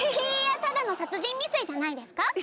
いやただの殺人未遂じゃないですか？